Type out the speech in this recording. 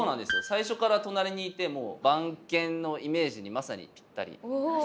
最初から隣にいてもう番犬のイメージにまさにぴったりですね。